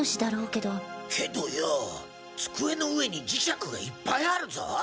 けどよ机の上に磁石がいっぱいあるぞ？